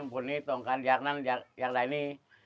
คนนี้ต้องการอยากนั้นอยากได้นี่